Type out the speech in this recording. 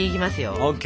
ＯＫ。